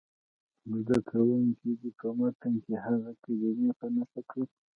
زده کوونکي دې په متن کې هغه کلمې په نښه کړي.